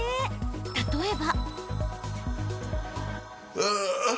例えば。